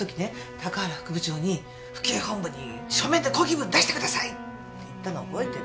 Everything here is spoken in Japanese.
高原副部長に府警本部に書面で抗議文出してください！って言ったの覚えてる。